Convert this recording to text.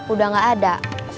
udah gak ada